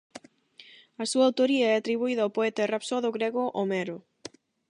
A súa autoría é atribuída ao poeta e rapsodo grego Homero.